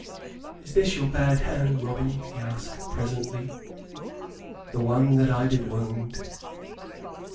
"Is this your bad hand, Robin?" he asked, presently, "the one that I did wound?